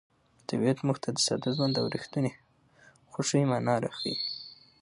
طبیعت موږ ته د ساده ژوند او رښتیني خوښۍ مانا راښيي.